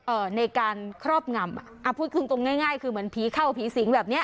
เอ่อในการครอบงำอ่ะอ่าพูดขึ้นตรงง่ายง่ายคือเหมือนผีเข้าผีสิงแบบเนี้ย